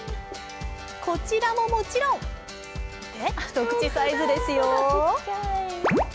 こちらももちろん、ひとくちサイズですよ。